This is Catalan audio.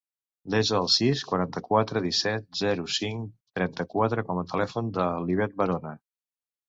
Desa el sis, quaranta-quatre, disset, zero, cinc, trenta-quatre com a telèfon de l'Ivet Barona.